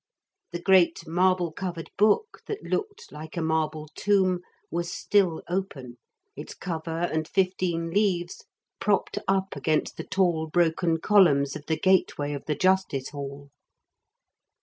The great marble covered book that looked like a marble tomb was still open, its cover and fifteen leaves propped up against the tall broken columns of the gateway of the Justice Hall.